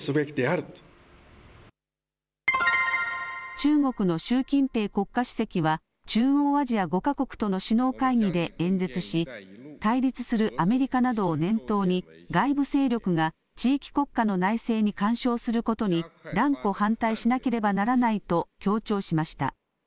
中国の習近平国家主席は、中央アジア５か国との首脳会議で演説し、対立するアメリカなどを念頭に、外部勢力が地域国家の内政に干渉することに断固反対しなければならないと強調しました。